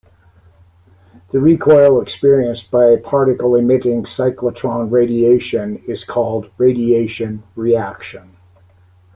The recoil experienced by a particle emitting cyclotron radiation is called radiation reaction.